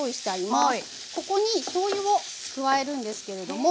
ここにしょうゆを加えるんですけれども。